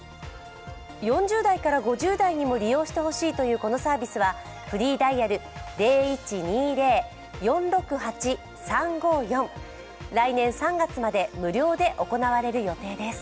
４０代から５０代にも利用してほしいというこのサービスはフリーダイヤル０２１０−４６８−３５４、来年３月まで無料で行われる予定です。